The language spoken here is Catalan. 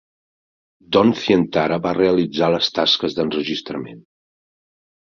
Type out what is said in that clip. Don Zientara va realitzar les tasques d'enregistrament.